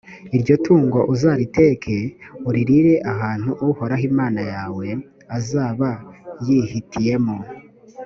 iryo tungo uzariteke, uririre ahantu uhoraho imana yawe azaba yihitiyemo;